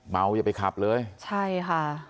อย่าไปขับเลยใช่ค่ะ